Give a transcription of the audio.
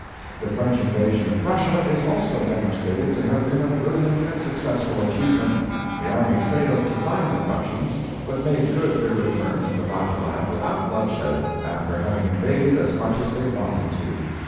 The French invasion of Prussia is also demonstrated to have been a brilliant and successful achievement. The army failed to find the Prussians, but made good their return to the Vaterland without bloodshed, after having invaded as much as they wanted to.